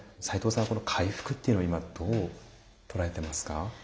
齋藤さんはこの回復っていうのを今どう捉えてますか？